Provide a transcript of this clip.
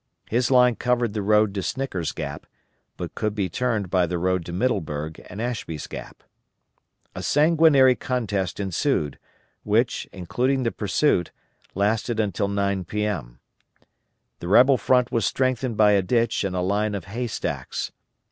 His line covered the road to Snicker's Gap, but could be turned by the road to Middleburg and Ashby's Gap. A sanguinary contest ensued, which, including the pursuit, lasted until 9 P.M. The rebel front was strengthened by a ditch and a line of hay stacks.